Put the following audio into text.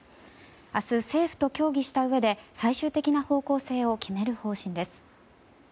明日、政府と協議したうえで最終的な方向性を決める方針です。